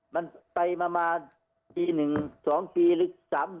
มันไปมาปี๑๒ปีหรือ๓๐๐